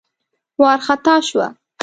وار خطا شوه.